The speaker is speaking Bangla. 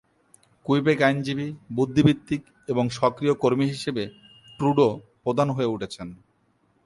কুইবেক আইনজীবী, বুদ্ধিবৃত্তিক এবং সক্রিয় কর্মী হিসেবে ট্রুডো প্রধান হয়ে উঠেছেন।